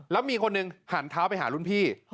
แล้วมีคนหนึ่งหันเท้าไปหารุ่นพี่